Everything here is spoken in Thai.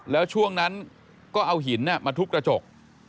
แล้วช่วงนั้นก็เอาหินมาทุบกระจก